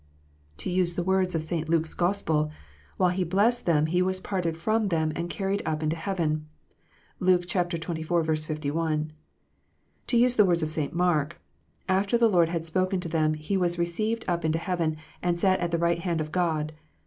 To use the words of St. Luke s Gospel, " While He blessed them, He was parted from them, and carried up into heaven." (Luke xxiv. 51.) To use the words of St. Mark, " After the Lord had spoken to them, He was received up into heaven, and sat on the right hand of God."